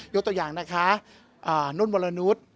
ตัวอย่างนะคะนุ่นวรนุษย์